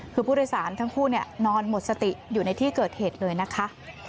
คือผู้โดยสารทั้งคู่นอนหมดสติอยู่ในที่เกิดเหตุเลยนะคะ